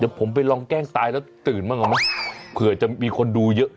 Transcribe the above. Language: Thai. เดี๋ยวผมไปลองแกล้งตายแล้วตื่นบ้างเอาไหมเผื่อจะมีคนดูเยอะ